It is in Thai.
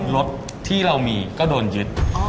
รถที่เรามีก็โดนยึด